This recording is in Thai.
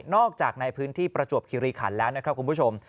จากในพื้นที่ประจวบคิริขันแล้วนะครับคุณผู้ชม